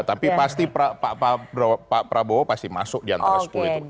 tapi pasti pak prabowo pasti masuk di antara sepuluh itu